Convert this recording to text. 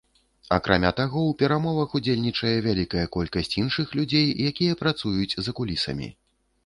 Акрамя таго, у перамовах удзельнічае вялікая колькасць іншых людзей, якія працуюць за кулісамі.